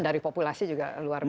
dari populasi juga luar biasa